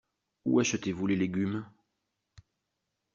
Où achetez-vous les légumes ?